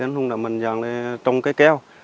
anh hùng đã mạnh dàng trong cái keo